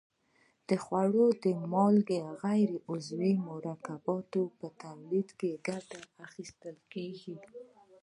د خوړو مالګه په غیر عضوي مرکبونو په تولید کې ګټه اخیستل کیږي.